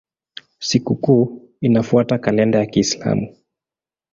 Sikukuu inafuata kalenda ya Kiislamu.